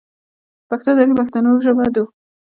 پښتو د پښتنو ژبه دو.